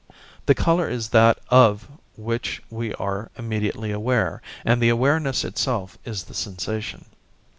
The colour is that of which we are immediately aware, and the awareness itself is the sensation.